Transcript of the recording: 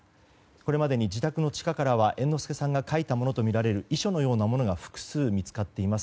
これまでに自宅の地下からは猿之助さんが書いたものとみられる遺書のようなものが複数見つかっています。